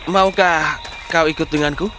maukah kau ikut denganku